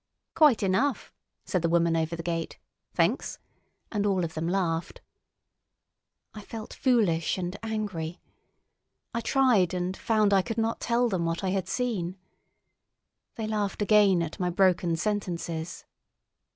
"Quite enough," said the woman over the gate. "Thenks"; and all three of them laughed. I felt foolish and angry. I tried and found I could not tell them what I had seen. They laughed again at my broken sentences.